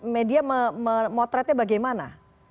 media memotretnya bagaimana